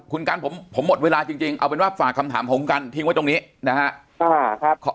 คุณกันผมหมดเวลาจริงเอาเป็นว่าฝากคำถามผมกันทิ้งไว้ตรงนี้นะครับ